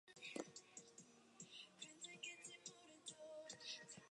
Relic's actual character-name was Stafford Phillips.